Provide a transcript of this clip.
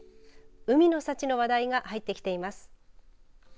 海の幸の話題が入ってきています。